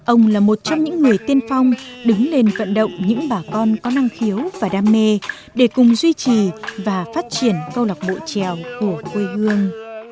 ông là một trong những người tiên phong đứng lên vận động những bà con có năng khiếu và đam mê để cùng duy trì và phát triển câu lạc bộ trèo của quê hương